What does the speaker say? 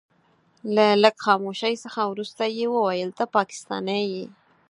له لږ خاموشۍ څخه وروسته يې وويل ته پاکستانی يې.